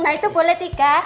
nah itu boleh tiga